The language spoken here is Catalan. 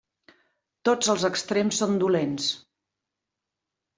Tots els extrems són dolents.